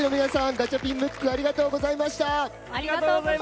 ガチャピン・ムックありがとうございました。